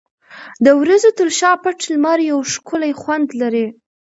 د وریځو تر شا پټ لمر یو ښکلی خوند لري.